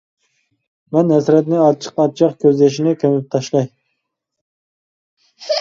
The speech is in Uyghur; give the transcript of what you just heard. مەن ھەسرەتنى، ئاچچىق-ئاچچىق كۆز يېشىنى كۆمۈپ تاشلاي.